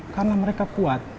karena mereka kuat